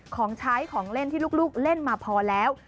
ของใช้ของเล่นที่ลูกเล่นมาพอแล้ว